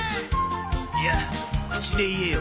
いや口で言えよ。